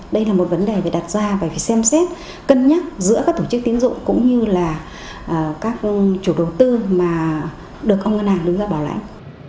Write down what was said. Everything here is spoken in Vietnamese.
đây là một vấn đề phải đặt ra và phải xem xét cân nhắc giữa các tổ chức tiến dụng cũng như là các chủ đầu tư mà được các ngân hàng đứng ra bảo lãnh